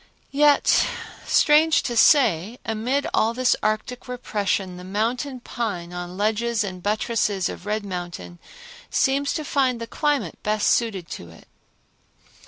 Yet, strange to say, amid all this arctic repression the mountain pine on ledges and buttresses of Red Mountain seems to find the climate best suited to it.